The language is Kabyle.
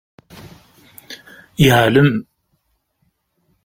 Yeɛlem.